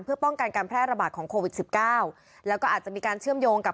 เพื่อป้องกันการแพร่ระบาดของโควิดสิบเก้าแล้วก็อาจจะมีการเชื่อมโยงกับ